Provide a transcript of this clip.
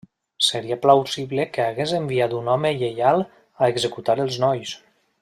Seria plausible que hagués enviat un home lleial a executar els nois.